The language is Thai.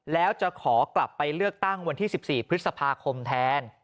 แล้วจะขอกลับไปเลือกตั้งวันที่๑๔พฤษภาคมแทน